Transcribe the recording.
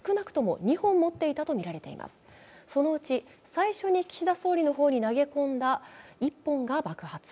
最初に岸田総理の方に投げ込んだ１本が爆発。